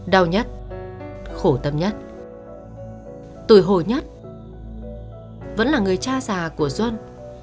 đau nhất khổ tâm nhất tuổi hồ nhất vẫn là người cha già của duân